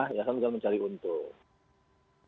yayasan bukan mencari untung